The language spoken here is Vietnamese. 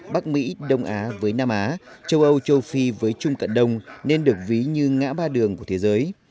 bắc mỹ đông á với nam á châu âu châu phi với trung cận đông nên được ví như ngã ba đường của thế giới